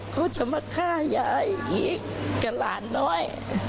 เขาจะมาฆ่ายายอีกกับหลานน้อย